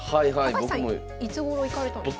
高橋さんいつごろ行かれたんですか？